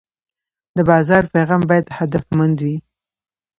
د بازار پیغام باید هدفمند وي.